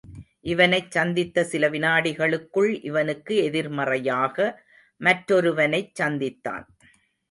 இவனைச் சந்தித்த சில விநாடிகளுக்குள் இவனுக்கு எதிர்மறையாக மற்றொருவனைச் சந்தித்தான்.